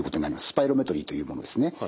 スパイロメトリーというものですね。